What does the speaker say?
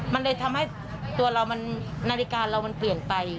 มันเลยทำให้ตัวเรามันนาฬิกาเรามันเปลี่ยนไป